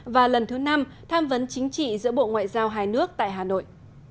và lần thứ năm tham vấn chính trị giữa bộ ngoại giao hai nước tại hà nội